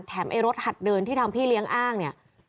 ไอ้รถหัดเดินที่ทางพี่เลี้ยงอ้างเนี่ย